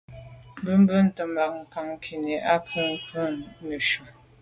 Me bumte bag ngankine à nke ngon neshu.